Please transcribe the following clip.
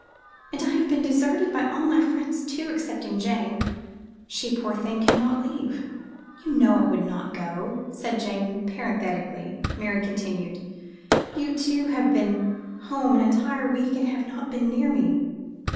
And I have been deserted by all my friends, too, excepting Jane. She, poor thing, cannot leave." "You know I would not go," said Jane, parenthetically. Mary continued: "You, too, have been home an entire week and have not been near me."